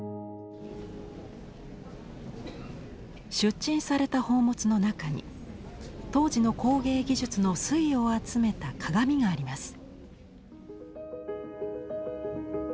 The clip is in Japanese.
出陳された宝物の中に当時の工芸技術の粋を集めた鏡があります。